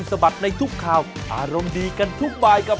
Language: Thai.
สวัสดีครับ